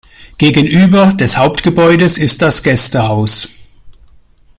Gegenüber des Hauptgebäudes ist das Gästehaus.